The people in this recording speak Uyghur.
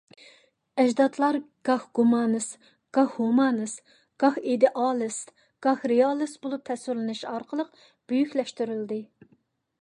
ئەجدادلار گاھ گۇمانىست، گاھ ھۇمانىست، گاھ ئىدېئالىست، گاھ رېئالىست بولۇپ تەسۋىرلىنىش ئارقىلىق بۈيۈكلەشتۈرۈلدى.